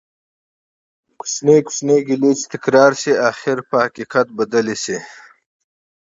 کوچنی کوچنی ګېلې چې تکرار شي ،اخير په حقيقت بدلي شي